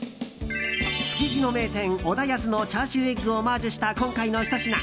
築地の名店小田保のチャーシューエッグをオマージュした今回のひと品。